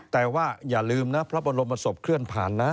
แต่ว่าอย่าลืมนะพระบรมศพเคลื่อนผ่านนะ